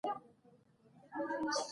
احمد شاه بابا د ولس په منځ کې محبوب و.